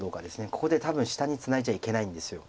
ここで多分下にツナいじゃいけないんです。